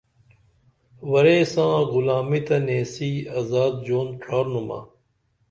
ورے ساں غلامی تہ نیسی ازاد ژوند ڇھارنُمہ